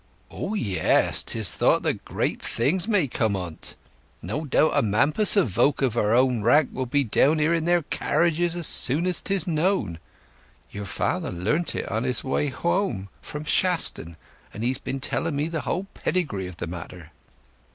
"O yes! 'Tis thoughted that great things may come o't. No doubt a mampus of volk of our own rank will be down here in their carriages as soon as 'tis known. Your father learnt it on his way hwome from Shaston, and he has been telling me the whole pedigree of the matter."